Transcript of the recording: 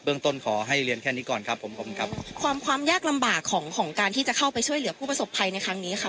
ต้นขอให้เรียนแค่นี้ก่อนครับผมผมครับความความยากลำบากของของการที่จะเข้าไปช่วยเหลือผู้ประสบภัยในครั้งนี้ค่ะ